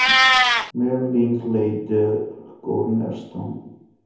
Meiring laid the cornerstone.